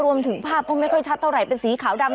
รวมถึงภาพก็ไม่ค่อยชัดเท่าไหร่เป็นสีขาวดำ